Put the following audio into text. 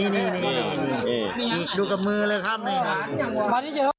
นี่ดูกับมือเลยครับ